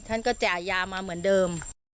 ท่านก็จ่ายยามาเหมือนเดิม